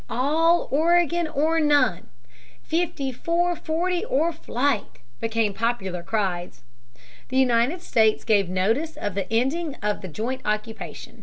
"All Oregon or none," "Fifty four forty or fight," became popular cries. The United States gave notice of the ending of the joint occupation.